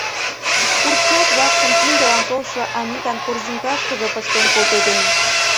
Курчак-влакшым киндылан толшо Анитан корзинкашкыже пыштен колтеден.